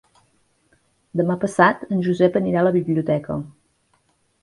Demà passat en Josep anirà a la biblioteca.